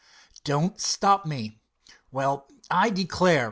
"Don't stop me." "Well, I declare!"